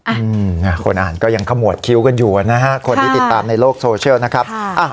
อืมคนอ่านก็ยังขมวดคิวกันอยู่นะฮะคนที่ติดตามในโลกโซเชียลนะครับ